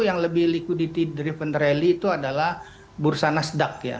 yang lebih liquidity driven rally itu adalah bursa nasdaq ya